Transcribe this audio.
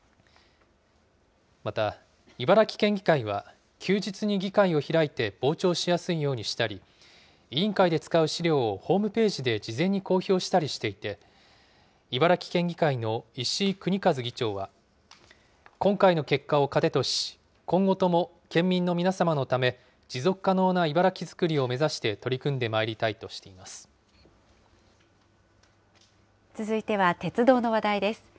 また、茨城県議会は、休日に議会を開いて傍聴しやすいようにしたり、委員会で使う資料をホームページで事前に公表したりしていて、茨城県議会の石井邦一議長は、今回の結果を糧とし、今後とも県民の皆様のため、持続可能な茨城づくりを目指して取り組んでまいりたいとしていま続いては鉄道の話題です。